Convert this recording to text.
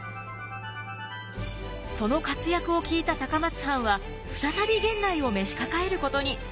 その活躍を聞いた高松藩は再び源内を召し抱えることに。